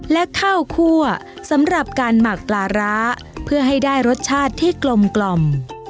และข้าวคั่วสำหรับการหมักปลาร้าเพื่อให้ได้รสชาติที่กลม